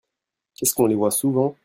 Qu'est-ce qu'on les voit souvent !